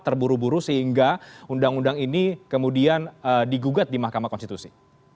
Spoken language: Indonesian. terburu buru sehingga undang undang ini kemudian digugat di mahkamah konstitusi